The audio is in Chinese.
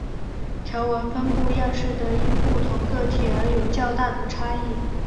条纹分布样式的因不同个体而有较大的差异。